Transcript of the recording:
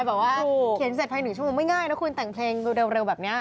บอกว่าเขียนเสร็จภาย๑ชั่วโมงไม่ง่ายนะคุณแต่งเพลงเร็วแบบนี้